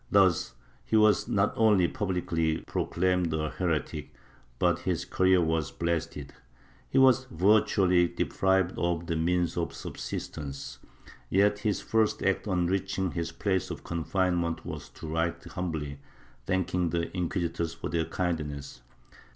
Thus he was not only publicly pro claimed a heretic, but his career was blasted, he was virtually deprived of the means of subsistence, yet his first act on reaching his place of confinement was to write humbly thanking the inquisitors for their kindness.